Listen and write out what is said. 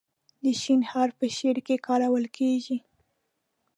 د "ش" حرف په شعر کې کارول کیږي.